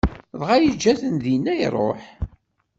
Dɣa yeǧǧa-ten dinna, iṛuḥ.